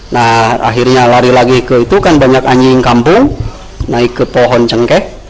nah akhirnya lari lagi ke itu kan banyak anjing kampung naik ke pohon cengkeh